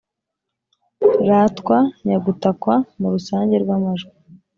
ratwa nyagutakwa mu rusange rw'amajwi.